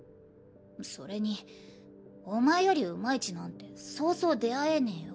それにお前よりうまい血なんてそうそう出合えねえよ。